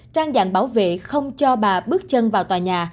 trang dạng bảo vệ không cho bà bước chân vào tòa nhà